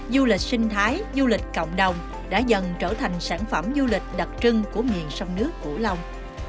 du lịch sinh thái du lịch cộng đồng đã dần trở thành sản phẩm du lịch đặc trưng của miền sông nước cửu long